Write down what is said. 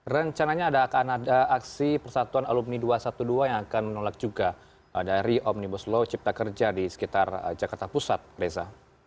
rencananya akan ada aksi persatuan alumni dua ratus dua belas yang akan menolak juga dari omnibus law cipta kerja di sekitar jakarta pusat reza